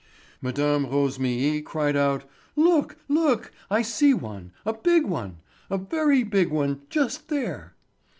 Mme. Rosémilly cried out: "Look, look, I see one, a big one. A very big one, just there!"